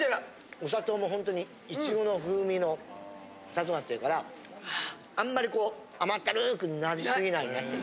お砂糖もホントにイチゴの風味の砂糖になってるからあんまりこう甘ったるくなりすぎないようになってる。